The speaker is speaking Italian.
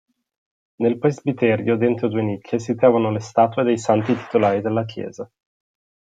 Nel presbiterio dentro due nicchie si trovano le statue dei santi titolari della chiesa.